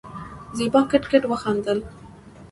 زېبا کټ کټ وخندل.